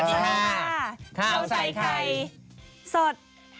ข้าวใส่ไข่สด